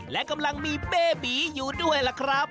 และกำลังมีเบบีอยู่ด้วยล่ะครับ